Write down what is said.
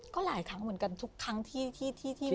ก็หลายครั้งเหมือนกันทุกครั้งที่มีความรู้สึก